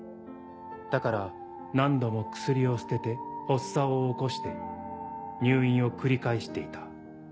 だから何度も薬を捨てて発作を起こして入院を繰り返していた。